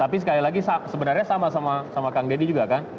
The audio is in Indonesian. tapi sekali lagi sebenarnya sama sama kang deddy juga kan